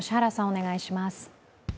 お願いします。